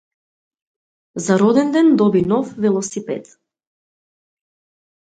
За роденден доби нов велосипед.